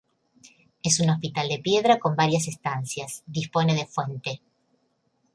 Es un hospital de piedra con varias estancias, dispone de fuente.